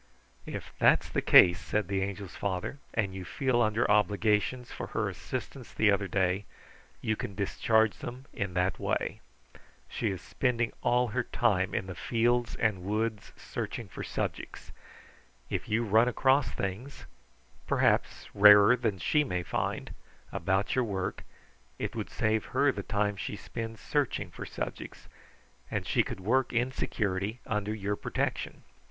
"If that's the case," said the Angel's father, "and you feel under obligations for her assistance the other day, you can discharge them in that way. She is spending all her time in the fields and woods searching for subjects. If you run across things, perhaps rarer than she may find, about your work, it would save her the time she spends searching for subjects, and she could work in security under your protection.